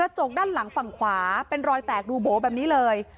จกด้านหลังฝั่งขวาเป็นรอยแตกดูโบ๋แบบนี้เลย